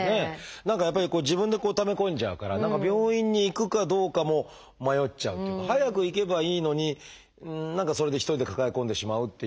何かやっぱり自分でため込んじゃうから何か病院に行くかどうかも迷っちゃうっていうか早く行けばいいのに何かそれで一人で抱え込んでしまうっていう。